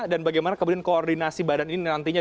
dan bagaimana koordinasi badan ini nantinya